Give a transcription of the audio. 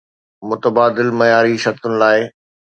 متبادل معياري شرطن لاء